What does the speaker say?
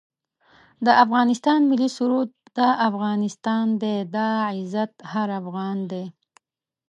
د افغانستان ملي سرود دا افغانستان دی دا عزت هر افغان دی